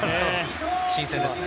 新鮮ですね。